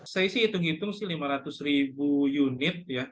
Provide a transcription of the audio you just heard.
saya sih hitung hitung sih lima ratus ribu unit ya